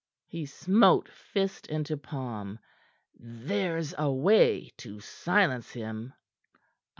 He smote fist into palm. "There's a way to silence him."